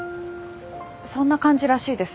そんな感じらしいです。